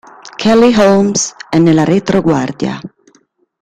Kelly Holmes è nella retroguardia.